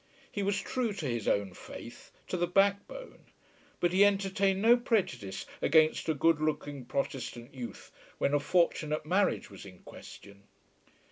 He was true to his own faith, to the backbone, but he entertained no prejudice against a good looking Protestant youth when a fortunate marriage was in question.